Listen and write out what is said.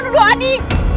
kenapa kamu mau fitnah adi